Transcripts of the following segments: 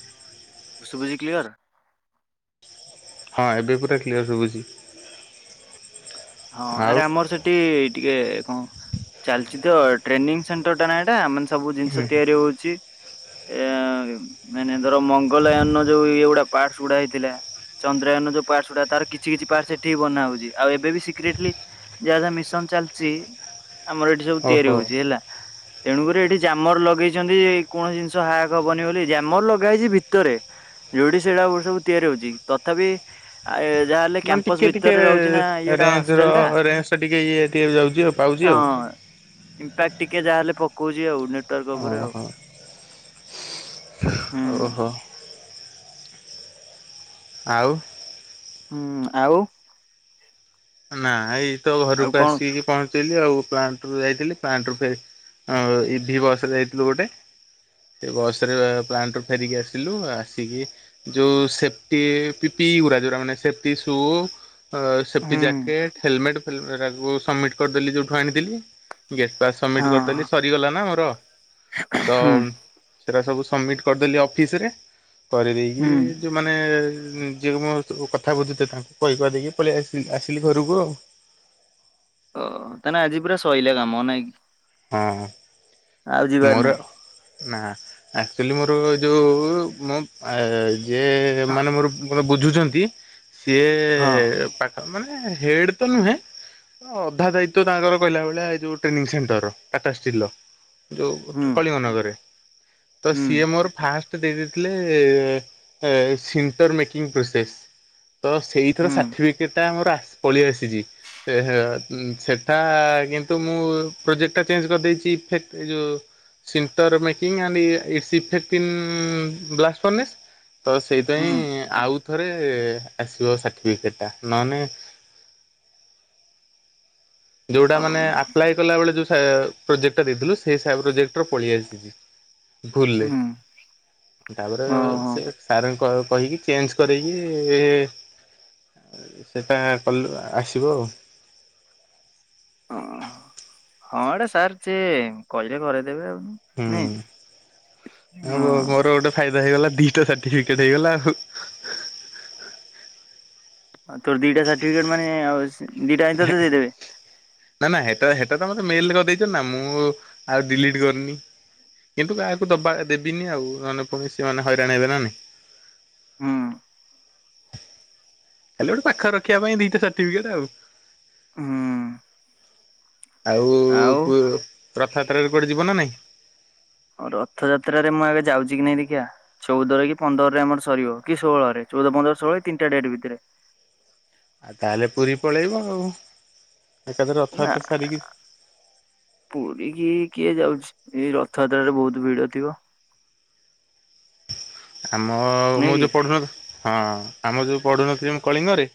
ହଁ ଏବେ ଶୁ- ଶୁଭୁଛି କ୍ଲିୟର? ହଁ ଏବେ ପୁରା କ୍ଲିୟର ଶୁଭୁଚି। ହଁ ଆଉ ଆରେ ଆମର ସେ ଟି ଟିିକେ କଣ ଚାଲିଚି ତ ଟ୍ରେନିଂ ସେଣ୍ଟରଟା ନା ଏଡା ମା ସବୁ ଜିନିଷ ହୁଁ ତିଆରି ହଉଛି। ଏ ନାହିଁ ନାହିଁ ଧର ମଙ୍ଗଲୟନ ଯୋଉ ଇଏଗୁଡା ପାର୍ଟସ ଗୁଡା ହେଇଥିଲା ଚନ୍ଦ୍ରାୟନ ଯୋଉ ପାର୍ଟସ ଗୁଡା ତାର କିଛିକିଛି ପାର୍ଟ୍ସ ସେଠି ବନା ହଉଛି ଆଉ ଏବେ ବିି ସି ସିକେରେଟଲି ଯାହା ଯାହା ମିଶନ ଚାଲିଛି ଆମର ଏଠି ସବୁ ତିଆରି ଓହୋ। ହଉଛି ହେଲା। ତେଣୁକରି ଏଠି ଜାମର ଲଗେଇଛନ୍ତି କୌଣସି ଜିନିଷ ହାକ ହବନି ବୋଲି ଜାମର ଲଗାହେଇଛି ଭିତରେ। ଯୋଉଠି ସେଟା ସବୁ ତିଆରି ହଉଛି ତଥାପି ଆ ଯାହାହେଲେ କ୍ୟାମ୍ପସ ଭିତରେ ରହୁଛିନା ଇଏଟା ତ ଟା ରେଞ୍ଜଟା ଟିକେ ଇଏ ଟିକ ଯାଉଛି ଆଉ ପାଉଛି ଆଉ। ହଁ। ଇମ୍ପାକ୍ଟ ଟିକେ ଯାହାହେଲେ ପକଉଛି ଆଉ ନେଟୱାର୍କ ଉପରେ ଆଉ। ଓହୋ [inaudible] ଓହୋ। ଆଉ। ହୁଁ ଆଉ। ନା ଏଇ ତ ଆଉ ଘରକୁ କଣ ଆସିକି ପହଞ୍ଚ ଚିଲି ଆଉ ପ୍ଲାଣ୍ଟରୁ ଯାଇଥିଲି ପ୍ଲାଣ୍ଟରୁ ଫେରି ଆ ଇଭି ବସରେ ଯାଇଥିଲୁ ଗୋଟେ। ସେ ବସରେ ପ୍ଲାଣ୍ଟରୁ ଫେରିକି ଆସିଲୁ। ଆସିକି ଯୋଉ ସେଫ୍ଟି ପି ପି ଇ ଗୁରା ଯୋରା ମାନେ ସେପ୍ଟି ସୁ। ସେପ୍ଟି ହୁଁ ଜାକେଟ ହେଲମେଟ ଫେଲ ରାକୁ ସବମିଟ କରିଦେଲି ଯଉଠୁ ଆଣିଥିଲି। ଗେଟପାସ୍ ସବମିଟ୍ କରିଦେଲି ହଁ ସରିଗଲା ନା ମୋର ତ ହୁଁ ସେଟା ସବୁ ସବମିଟ କରିଦେଲି ଅଫିସରେ ହୁଁ। କରିଦେଇକି ଯ ମାନେ ଯିଏ ମୋ କଥା ବୁଝୁଥିଲା କହି କଦକି ପଳେଇ ଆ ଆସିଲି ଘରକୁ ଆଉ। ଓ ତାନେ ଆଜି ପୁରା ସଇଲା କାମ ନାଇଁକି? ହଁ ଯିବାର ମୋର ନାହିଁ। ନା ଆକ୍ଚୁଲି ମୋର ଯୋଉ ମ ଆ ଯେ ହଁ ମାନେ ମୋର ମ ବୁଝୁଛନ୍ତି ସିଏ ପା ମାନେ ହେଡ ତ ନୁହେଁ ଅଧା ଦାୟିତ୍ବ ତାଙ୍କର କହିଲା ଭଳିଆ ଏଇ ଯୋଉ ଟ୍ରେନିଂ ସେଣ୍ଟରର। ଟାଟା ଷ୍ଟିଲ ଯଉ ହୁଁ କଳିଙ୍ଗ ନଗରରେ ତ ହୁଁ ସିଏ ମୋର ଫାଷ୍ଟ ଦେଇ ଦେଇଥିଲେ ସିଣ୍ଟର ମେକିଂ ପ୍ରୋସେସ୍। ତ ସେଇଥିର ହୁଁ ସାର୍ଟିଫିକେ ସେଟା ମୋର ଆ ପଳିଆସିଛି ହେ ସେଟା କିନ୍ତୁ ମୁଁ ପ୍ରୋଜେ ଟା ଚେଞ୍ କରିଦେଇଛି ଫେ ଏ ଯୋ ସିଣ୍ଟର ମେକିଂ ଆଣ୍ଡ ଏ ଏସିଫେକ୍ଟିନ୍ ବ୍ଲାଷ୍ଟ ପନସ୍ ତ ହୁଁ ସେଇଥିପାଇଁ ଆଉଥରେ ଆସିବ ସାର୍ଟିଫିକେଟଟା ନହେନେ ଯେଉଁଟା ମାନେ ଆପ୍ଲାଏ କଲାବେଳେ ଯେଉ ସା ପ୍ରୋଜେକ୍ଟା ଦେଇଥିଲୁ ସେଇ ପ୍ରୋଜେକ୍ଟର ପଳେଇ ଆସିଛି। ଭୁଲରେ। ହୁଁ। ତାପରେ ଓହୋ ସେ ସାରଙ୍କୁ କ କହିକି ଚେଞ୍ଜ କରେଇକି ସେଇଟା କଲୁ ଆସିବ ଆଉ। ହଁ ହ ଏଇଟା ସାର୍ [unintelligible] କହିଲେ କରେଇଦେବେ ଆଉ। ନାଇଁ ହଁ ହୁଁ ଆ ମୋର ଗୋଟେ ଫାଇଦା ହେଇଗଲା ଦିଟା ସାର୍ଟିଫିକେଟ ହେଇଗଲା ଆଉ। ତୋର ଦିଟା ସାର୍ଟିଫିକେଟ୍ ମାନେ ଦିଟା ଆକ ତତେ ଦେଇଦେବେ? ନା ନା ସେଟା ସେଟା ତ ମତେ ମେଲ କରିଦେଇଛନି ନା ମୁଁ ଆଉ ଡିଲିଟ କରିନି। କିନ୍ତୁ କାହାକୁ ଦବା ଦେବିନି ଆଉ ମାନେ ପୁଣି ସେ ମାନେ ହଇରାଣ ହେବେ ନା ନାହିଁ। ହୁଁ। ଖାଲି ଗୋଟେ ପାଖରେ ରଖିବା ପାଇଁ ଦିଟା ସାର୍ଟିଫିକେଟ ଆଉ। ହୁଁ ଆଉ ପୁ ରଥଯାତ୍ରରେ କୁଆଡେ ଯିବ ନା ନାଇଁ? [unintelligible] ରଥଯାତ୍ରାରେ ମୁଁ ଏବେ ଯାଉଛି କି ନାଇଁ ଦେଖିବା। ଚଉଦରେ କି ପନ୍ଦରରେ ଆମର ସରିବ କି ଷୋହଳରେ ଚଉଦ ପନ୍ଦର ଷୋହଳ ତିନଟାଡେଟ୍ ଭିତରେ। ଆଉ ତାହେଲେ ପୁରୀ ପଳେଇବ ଆଉ ଏକାଥରେ ନା ରଥଯାତ୍ରା ସାରିକି ପୁରୀ କି କିଏ ଯାଉଛି ଏଇ ରଥଯାତ୍ରାରେ ବହୁତ ଭିଡ ଥିବ। ଆମ ନୁହେଁ ମୁଁ କି? ଯୋଉ ପଢୁନ ହଁ ଆମ ଯୋଉ ପଢୁନଥିଲି ମୁଁ କଳିଙ୍ଗରେ।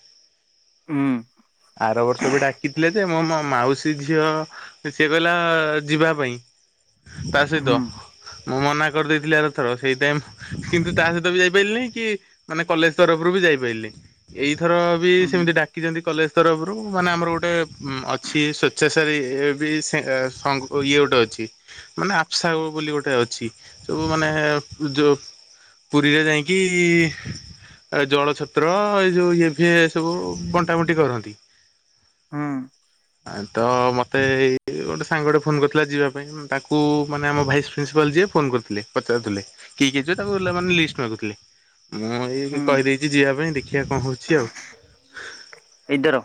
ହୁଁ। ଆର ବର୍ଷ ବି ଡାକିଥିଲେ ଯେ ମୋ ମ ମାଉସୀ ଝିଅ ସିଏ କହିଲା ଯିବା ପାଇଁ। ତା ସହିତ ହୁଁ ମୁଁ ମନା କରିଦେଇଥିଲି ଆରଥର ସେଇ ଟାଇମ୍ କିନ୍ତୁ ତା ସହିତ ବି ଯାଇପାରିଲିନି କି ମାନେ କଲେଜ ତରଫରୁ ବି ଯାଇପାରିଲିନି। ଏଇଥର ହୁଁ [unintelligible] ଖିଛନ୍ତି କଲେଜ ତରଫରୁ ମାନେ ଆମର ଗୋଟେ ଅଛି ସ୍ଵେଚ୍ଛାସାବି [unintelligible] ଇଏ ଗୋଟେ ଅଛି ମାନେ ଆପସା ବୋଲି ଗୋଟେ ଅଛି ସବୁ ମାନେ ଯୋଉ ପୁରୀରେ ଯାଇକି ଏ ଜଳ ଛତ୍ର ଏଇ ଯୋଉ ଇଏ ଫିଏ ସବୁ ବଣ୍ଟା ବଣ୍ଟି କରନ୍ତି। ହଁ। ତ ମୋତେ ଏଇ ଗୋଟେ ସାଙ୍ଗ ଗୋଟେ ଫୋନ୍ କରିଥିଲା ଯିବା ପାଇଁ। ତାଙ୍କୁ ମାନେ ଆମ ଭାଇସ ପ୍ରିନ୍ସିପାଲ ଯିଏ ଫୋନ କରିଥିଲେ ପଚାରୁଥିଲେ କିଏ କିଏ ଯିବେ ତାକୁ ମାନେ ଲିଷ୍ଟ ମାଗୁଥିଲେ। ମୁଁ ଏଇ ବି ହୁଁ କହିଦେଇଛି ଯିବା ପାଇଁ ଦେଖିବା କଣ ହଉଛି ଆଉ। ଏଇଥର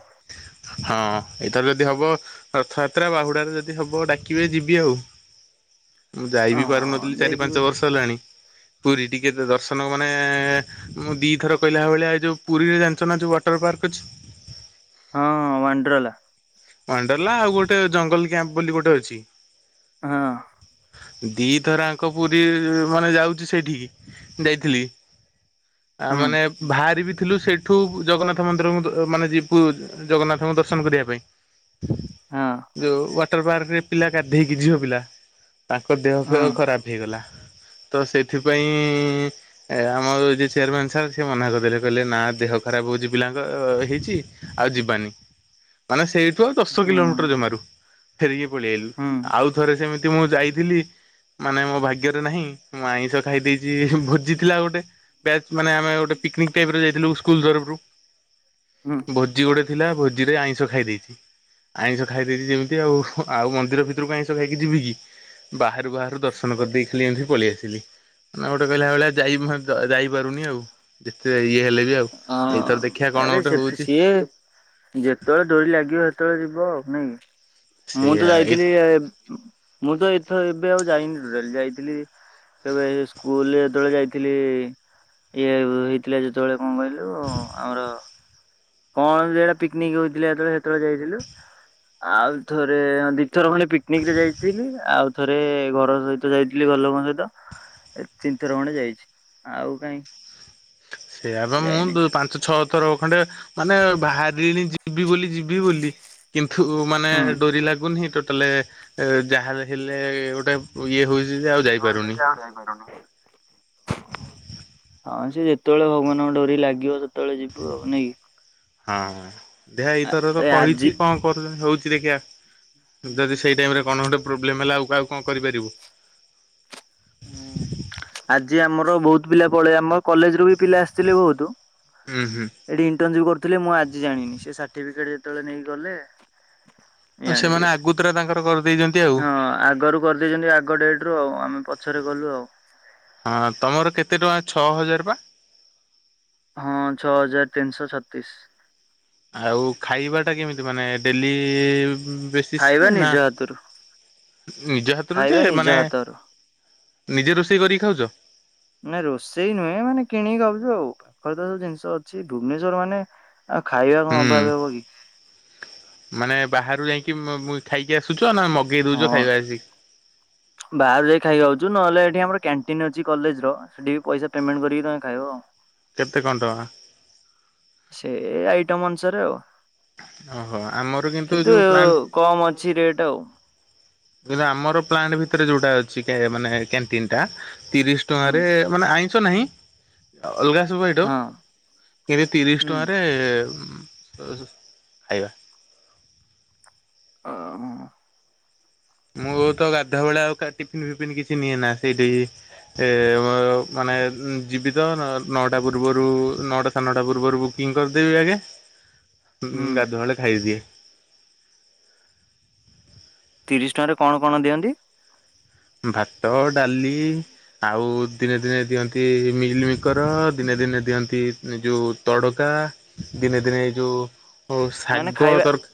ହଁ ଏଇଥର ଯଦି ହବ ରଥଯାତ୍ରା, ବାହୁଡାରେ ଯଦି ହବ ଡାକିବେ ଯିବି ଆଉ। ମୁଁ ଯାଇ ହଁ ବିି ପାରୁନଥିଲି ଚାରି ଯାଇକି ପାଞ୍ଚ ବର୍ଷ ହେଲାଣି ପୁରୀ ଟିକେ ଦର୍ଶନ ମାନେ ମୁଁ ଦିଥର କହିଲା ଭଳିଆ ଯୋଉ ପୁରୀରେ ଜାଣିଛ ନା ଯୋଉ ୱାଟର ପାର୍କ ଅଛି। ହଁ ୱାଣ୍ଡ୍ରଲା। ୱାଣ୍ଡ୍ରଲା ଆଉ ଗୋଟେ ଜଙ୍ଗଲ କ୍ୟାମ୍ପ ବୋଲି ଗୋଟେ ଅଛି। ହଁ। ଦି ଥର ଆଙ୍କ ପୁରୀ ମାନେ ଯାଉଛି ସେଇଠିକି ଯାଇଥିଲି। ଆ ହୁଁ। ମାନେ ବାହାରି ବିି ଥିଲୁ ସେଇଠୁ ଜଗନ୍ନାଥ ମନ୍ଦିରଙ୍କୁ ମାନେ ଯିବୁ ଜଗନ୍ନାଥଙ୍କୁ ଦର୍ଶନ କରିବା ପାଇଁ। ହଁ ଯୋଉ ୱାଟର ପାର୍କରେ ପିଲା ଗାଧେଇକି ଝିଅ ପିଲା। ତାଙ୍କ ଦେହ ହଁ ଫେହ ଖରାପ ହେଇଗଲା ତ ସେଥିପାଇଁ ଏ ଆମର ଜେ ଚେୟାରମାନ ସାର୍ ସେ ମନା କରିଦେଲେ କହିଲେ ନା ଦେହ ଖରାପ ହଉଛି ପିଲାଙ୍କ ହେଇଛି ଆଉ ଯିବାନି। ମାନେ ସେଇ ଠୁ ଆଉ ଦଶ ହଁ କିଲୋମିଟର ଜମାରୁ ଫେରିକି ପଳେଇ ଆଇଲୁ। ଆଉ ଥରେ ସେମିତି ମୁଁ ଯାଇଥିଲି। ମାନେ ମୋ ଭାଗ୍ୟରେ ନାହିଁ ମୁଁ ଆଇଁଷ ଖାଇ ଦେଇଛି ଭୋଜି ଥିଲା ଗୋଟେ। ମାନେ ଆମେ ଗୋଟେ ପିକନିକ୍ ଯାଇଥିଲୁ ସ୍କୁଲ ତରଫରୁ। ହଁ। ଭୋଜି ଗୋଟେ ଥିଲା ଭୋଜିରେ ଆଇଁଷ ଖାଇ ଦେଇଛି। ଆଇଁଷ ଖାଇ ଦେଇଛି ଯେମିତି ଆଉ ଆଉ ମନ୍ଦିର ଭିତରକୁ ଆଇଁଷ ଖାଇକି ଯିବି କି। ବାହାରୁ ବାହାରୁ ଦର୍ଶନ କରିଦେଇ ଖାଲି ଏମିତି ପଳେଇ ଆସିଲି। ନା ଗୋଟେ କହିଲା ଭଳିଆ ଯାଇ ଯାଇପାରୁନି ଆଉ ଯେତେ ଇଏ ହେଲେ ବି। ଆଉ। ଏଇଥର ଦେଖିବା ହଁ କଣ ଆରେ ଗୋଟେ ସେତ ହଉଛି ସିଏ। ଯେତେବେଳେ ଡୋରି ଲାଗିବ ସେତେବେଳେ ଯିବ ଆଉ ନାଇଁ କି? ମୁଁ ସେଇଆ ତ ଏଇ ଯାଇଥିଲି। ମୁଁ ତ ଏଥର ଏବେ ଆଉ ଯାଇନି ଟୋଟାଲି ଯାଇଥିଲି। କେବେ ସ୍କୁଲ ଯେତେବେଳେ ଯାଇଥିଲି ଇଏ ହେଇଥିଲା ଯେତେବେଳେ। ମବାଇଲୁ ଆମର। କଣ ଯେଟା ପିକନିକ ହଉଥିଲା ଯେତେବେଳେ ସେତେବେଳେ ଯାଇଥିଲୁ ଆଉ ଥରେ ଦି ଥର ଖଣ୍ଡେ ପିକନିକରେ ଯାଇଥିଲି ଆଉ ଥରେ ଘର ସହିତ ଯାଇଥିଲି ଘର ଲୋକଙ୍କ ସହିତ। ଏ ତିନିଥର ଖଣ୍ଡେ ଯାଇଛି ଆଉ କାଇ। ସେଆବେ ମୁଁ ପାଞ୍ଚ ଛଅ। ତର ଖଣ୍ଡେ ମାନେ ବାହାରିଣି ଯିବି ବୋଲି ଯିବି ବୋଲି। କିନ୍ତୁ ମାନେ ହୁଁ। ଡୋରି ଲାଗୁନି ଟୋଟାଲେ ଯାହା ହେଲେ ଗୋଟେ ଇଏ ହଉଛି ଯେ ଆଉ ଯାଇପାରୁନି। ଯାଇପାରୁନି। ହଁ ସେ ଯେତେବେଳେ ଭଗବାନଙ୍କ ଡୋରି ଲାଗିବ ସେତେବେଳେ ଯିବୁ ଆଉ ନାଇଁ କି? ହଁ ଦେ ଏଇଥର ତ ଆରେ ଆଜି କହିଛି କଣ? କର ହଉଛି ଦେଖିବା ଯଦି ସେଇ ଟାଇମରେ କଣ ଗୋଟେ ପ୍ରୋବ୍ଲେମ ହେଲା ଆଉ କାହାଉ କଣ କରିପାରିବୁ? ଆଜି ଆମର ବହୁତ ପିଲା ପଳେଇ ଆମ କଲେଜରୁ ବି ପିଲା ଆସିଥିଲେ ବହୁତ। ହୁଁ ହୁଁ। ଏଠି ଇଣ୍ଟନସିପ କରୁଥିଲେ ମୁଁ ଆଜି ଜାଣିନି ସେ ସାର୍ଟିଫିକେଟ ଯେତେବେଳେ ନେଇ କି ଗଲେ? ଆଉ ଜାଣିଲି। ସେମାନେ ଆଗତୁରା ତାଙ୍କର କରିଦେଇଛନ୍ତି। ଆଉ ହଁ ଆଗରୁ କରିଦେଇଛନ୍ତି ଆଗ ଡେଟରୁ ଆଉ ଆମେ ପଛରେ ଗଲୁ ଆଉ। ହଁ ତୁମର କେତେ ଟଙ୍କା ଛଅ ହଜାର ପା? ହଁ ଛଅ ହଜାର ତିନିଶହ ଛତିଶ। ଆଉ ଖାଇବାଟା କେମିତି ମାନେ ଡେଲି ବେ ଖାଇବା ନା ନିଜ ହାତରୁ ନିଜ ହାତରୁ ଯେ ଖାଇବା ନିଜ ମାନେ। ହାତରୁ। ନିଜେ ରୋଷେଇ କରିକି ଖାଉଛ। ନାଇଁ ରୋଷେଇ ନୁହେଁ ମାନେ କିଣିକି ଖାଉଛୁ ଆଉ ପାଖରେ ତ ସବୁ ଜିନିଷ ଅଛି ଭୁବନେଶ୍ୱର ମାନେ। ଆଉ ଖାଇବା କଣ ହୁଁ। ଅଭାବ ହବ କି? ମାନେ ବାହାରୁ ଯାଇକି ଖାଇକି ଆସୁଛ ନା ମଗେଇ ଦଉଛ ଖାଇବା ଆସିକି? ବାହାରେ ଯାଇ ଖାଇକି ଆଉଛୁ ନହେଲେ ଏଠି ଆମର କ୍ୟାଣ୍ଟିନ୍ ଅଛି କଲେଜ ର ସେଠି ପଇସା ପେମେଣ୍ଟ କରିକି ତମେ ଖାଇବ ଆଉ। କେତେ କଣ ଟଙ୍କା? ସେ ଆଇଟମ୍ ଅନୁସାରେ ଆଉ। ଓହୋ ଆମର କିନ୍ତୁ ଯୋଉ ପ୍ଲାଣ୍ଟ କମ୍ ଅଛି ରେଟ୍ ଆଉ। କିୁ ଆମର ପ୍ଲାଣ୍ଟ ଭିତରେ ଯୋଉଟା ଅଛି ମାନେ କ୍ୟାଣ୍ଟିନଟା ତିରିଶ ହୁଁ ଟଙ୍କାରେ ମାନେ ଆଇଁସ ନାହିଁ। ଅଲଗା ସବୁ ଏଠୁ ହଁ କେବେ ତିରିଶ ହୁଁ ଟଙ୍କାରେ? ଖାଇବା। ଓହୋ। ମୁଁ ତ ଗାଧା ବଳିଆ ଆଉ ଟିଫିନ ଫିଫିନ କିଛି ନିଏ ନା ସେଇଠିି ଏ ମାନେ ଜୀବିତ ନଅଟା ପୂର୍ବରୁ ନଅଟା ସାଢ଼େ ନଅଟା ପୂର୍ବରୁ ବୁକିଂ କରିଦେବି ଆଜ୍ଞା। ହୁଁ ହୁଁ ଗାଧୁଆ ବେଳେ ଖାଇଦିଏ। ତିରିଶ ଟଙ୍କାରେ କଣ କଣ ଦିଅନ୍ତି? ଭାତ, ଡାଲି। ଆଉ ଦିନେ ଦିନେ ଦିଅନ୍ତି ମିଲମିକର ଦିନେ ଦିନେ ଦିଅନ୍ତି ଯୋଉ ତଡକା। ଦିନେ ଦିନେ ଏଇ ଯୋଉ ଓ ମାନେ ଶାଗ ଖାଇବା ତରକା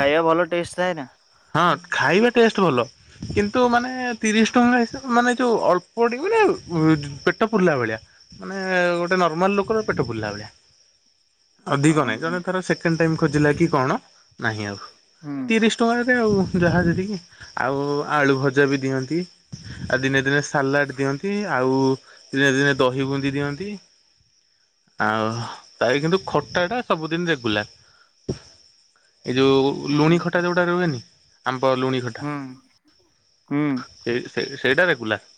ଖାଇବା ଭଲ ଟେଷ୍ଟ ଥାଏ ନା? ହଁ ଖାଇବା ଟେଷ୍ଟ ଭଲ। କିନ୍ତୁ ମାନେ ତିରିଶ ଟଙ୍କା ହିସାବରେ ମାନେ ଯୋଉ ଅଳ୍ପ ମାନେ ପେଟ ଫୁରିଲା ଭଳିଆ। ମାନେ ଗୋଟିଏ ନର୍ମାଲ ଲୋକର ପେଟ ପୁରିଲା ଭଳିଆ। ଅଧିକ ହୁଁ ନାଇଁ ଜଣେ ଧର ସେକେଣ୍ଡ ଟାଇମ ଖୋଜିଲା କି କଣ ନାହିଁ ଆଉ। ହୁଁ ତିରିଶ ଟଙ୍କାରେ ଆଉ ଯାହା ଯେତିକି ଆଉ ଆଳୁ ଭଜା ବି ଦିଅନ୍ତି। ଆଉ ଦିନେ ଦିନେ ସାଲାଡ ଦିଅନ୍ତି ଆଉ ଦିନେ ଦିନେ ଦହି ବୁନ୍ଦି ଦିଅନ୍ତି। ଆଉ ତ କିନ୍ତୁ ଖଟା ଟା ସବୁଦିନ ରେଗୁଲାର। ଏଇ ଯୋଉ ଲୁଣି ଖଟା ହୁଁ। ଯୋଉଟା ରୁହେନି ଆମ୍ପ ଲୁଣି ହୁଁ। ସେଇ ସେଇଟା ରେଗୁଲାର।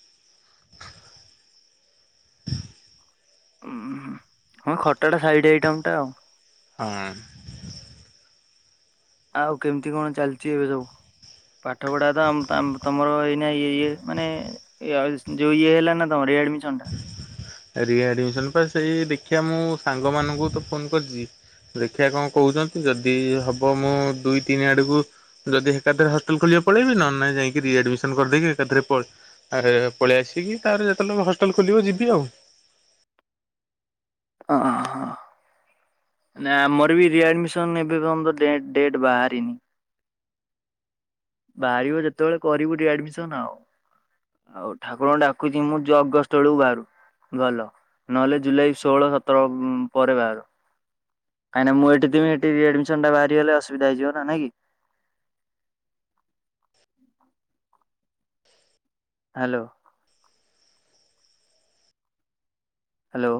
[inaudible] ଉଁ ହଁ ଖଟା ଟା ସାଇଡ ଆଇଟମ୍ ଟା ଆଉ। ହଁ ଆଉ କେମିତି କଣ ଚାଲିଛି ଏବେ ସବୁ? ପାଠ ପଢା ତ ତମର ଏଇନା ଇ ଇଏ ମାନେ ଯୋଉ ଇଏ ହେଲା ନା ତମର ରିଆଡମିସନ ଟା। ରିଆଡମିସନ ପା ସେଇ ଦେଖିବା ମୁଁ ସାଙ୍ଗ ମାନଙ୍କୁ ତ ଫୋନ କରିଛି। ଦେଖିବା କଣ କହୁଛନ୍ତି? ଯଦି ହବ ମୁଁ ଦୁଇ ତିନି ଆଡ଼କୁ ଯଦି ଏକାଥରେ ହଷ୍ଟେଲ ଖୋଲିବ ପଳେଇବି ନହେନେ ନାଇଁ ଯାଇକି ରିଆଡ଼ମିସନ କରିଦେଇକି ଏକାଥରେ ପ ଆରେ ପଳେଇ ଆସିକି ତାରେ ଯେତେବେଳେ ହଷ୍ଟେଲ ଖୋଲିବ ଯିବି ଆଉ। ହଁ ହଁ ମାନେ ଆମର ବି ରିଆଡମିସନ ଏବେ କଣ ଡେଟ୍ ଡେଟ୍ ବାହାରିନି। ବାହାରିବ ଯେତେବେଳେ କରିବୁ ରିଆଡମିସନ ଆଉ। ଆଉ ଠାକୁରଙ୍କୁ ଡାକୁଛି ମୁଁ ଅଗଷ୍ଟ ବେଳକୁ ବାହାରୁ। ଭଲ ନହେଲେ ଜୁଲାଇ ଷୋହଳ ସତର ପରେ ବାହାରୁ। କାହିଁକି ନା ମୁଁ ଏଠିି ଥିବି ହେଠି ରିଆଡମିସନ ଟା ବାହାରିଗଲେ ଅସୁବିଧା ହେଇଯିବ ନା ନାହିଁକି। Hello hello